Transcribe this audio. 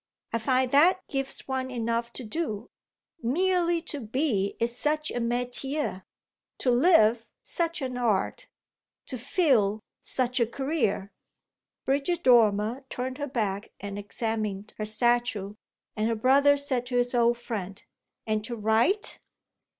I find that gives one enough to do. Merely to be is such a métier; to live such an art; to feel such a career!" Bridget Dormer turned her back and examined her statue, and her brother said to his old friend: "And to write?"